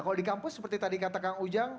kalau di kampus seperti tadi kata kang ujang